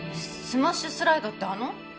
スマッシュスライドってあの？